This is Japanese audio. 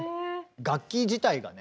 楽器自体がね